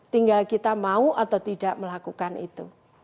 tinggal kita mau atau tidak melakukan itu